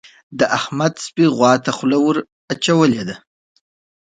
د احمد سپي غوا ته خوله ور اچولې ده.